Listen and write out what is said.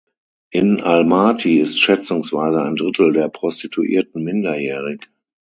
In Almaty ist schätzungsweise ein Drittel der Prostituierten minderjährig.